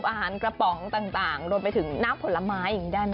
พวกปลากะป๋องอะไรพวกนี้